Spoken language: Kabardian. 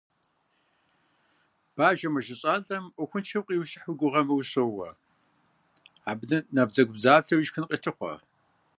Бажэ мэжэщӏалӏэм ӏуэхуншэу къыущыхь уи гугъэмэ, ущоуэ, абы набдзэгубдзаплъэу ишхын къелъыхъуэ.